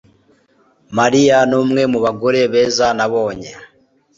Mariya numwe mubagore beza nabonye